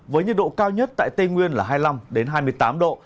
với nhiệt độ cao nhất tại tây nguyên là hai mươi năm hai mươi tám độ